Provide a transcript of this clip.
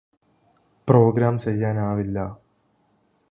programme ചെയ്യാനാവില്ല